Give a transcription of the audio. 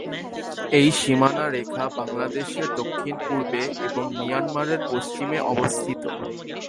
এই সীমানা রেখা বাংলাদেশের দক্ষিণ-পূর্বে এবং মিয়ানমারের পশ্চিমে অবস্থিত।